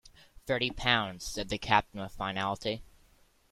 Thirty pounds, said the captain with finality.